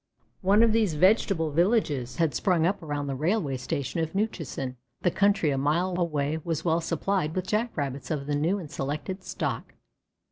One of these vegetable villages had sprung up around the railway station of Newchusen. The country a mile away was well supplied with Jack rabbits of the new and selected stock.